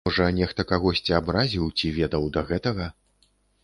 Можа нехта кагосьці абразіў ці ведаў да гэтага?